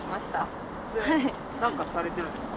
なんかされてるんですか？